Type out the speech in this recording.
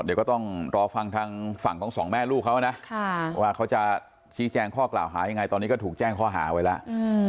เดี๋ยวก็ต้องรอฟังทางฝั่งของสองแม่ลูกเขานะว่าเขาจะชี้แจงข้อกล่าวหายังไงตอนนี้ก็ถูกแจ้งข้อหาไว้แล้ว